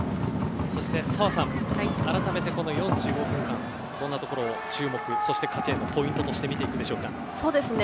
そして、澤さん改めて４５分間をどんなところに注目そして勝ちへのポイントとして見ていくでしょうか？